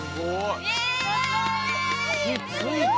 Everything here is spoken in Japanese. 火ついた！